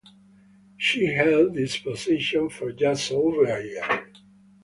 She held this position for just over a year.